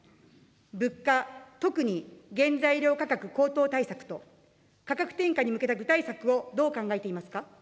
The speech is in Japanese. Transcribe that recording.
物価、特に原材料価格高騰対策と、価格転嫁に向けた具体策をどう考えていますか。